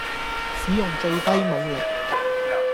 使用最低武力